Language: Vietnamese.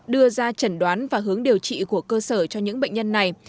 đưa ra chẩn đoán và hướng điều trị của cơ sở cho những bệnh nhân này